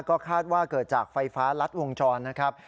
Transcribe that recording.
ก็คาดว่าเกิดจากไฟฟ้ารัดวงจรนะครับ